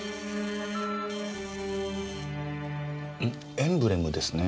エンブレムですね。